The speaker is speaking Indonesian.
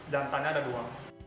jantannya ada dua